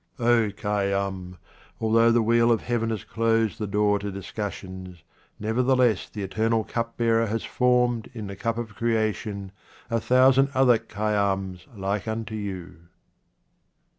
O Khayyam, although the wheel of Heaven has closed the door to discussions, nevertheless the eternal cupbearer has formed hi the cup of creation a thousand other Khayyams like unto you.